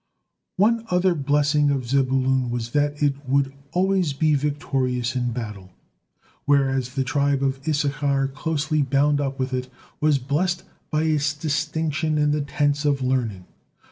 One other blessing of Zebulun was that it would always be victorious in battle, whereas the tribe of Issachar, closely bound up with it, was blessed by its distinction in the "tents of learning."